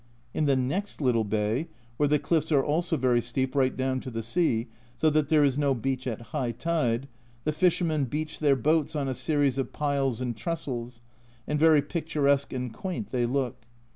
In the next little bay, where the cliffs are also very steep right down to the sea, so that there is no beach at high tide, the fishermen beach their boats on a series of piles and trestles, and very picturesque and quaint they look.